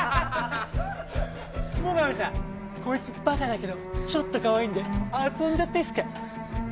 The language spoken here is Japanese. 最上さんこいつバカだけどちょっとカワイイんで遊んじゃっていいっすか？